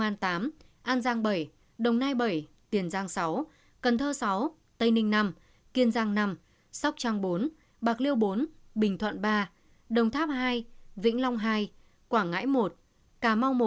an tám an giang bảy đồng nai bảy tiền giang sáu cần thơ sáu tây ninh nam kiên giang năm sóc trăng bốn bạc liêu bốn bình thuận ba đồng tháp hai vĩnh long hai quảng ngãi một cà mau